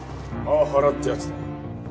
パワハラってやつだな。